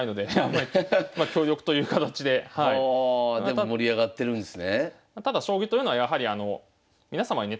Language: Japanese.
でも盛り上がってるんですね。